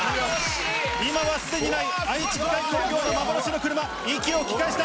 今はすでにない愛知機械工業の幻の車、息を吹き返した。